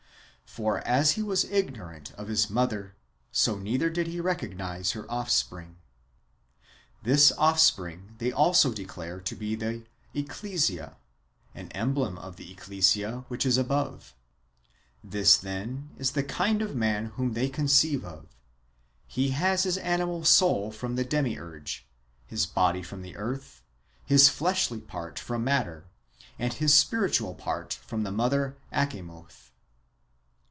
For, as he was ignorant of his mother, so neither did he recognise her offspring. This [offspring] they also declare to be the Ecclesia, an emblem of the Ecclesia which is above. This, then, is the kind of man whom they conceive of : he has his animal soul from the Demiurge, his body from the earth, his fleshy part from matter, and his spiritual man from the mother Achamoth.